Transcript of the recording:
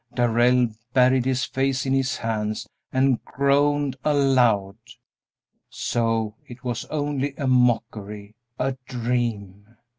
Darrell buried his face in his hands and groaned aloud. So it was only a mockery, a dream.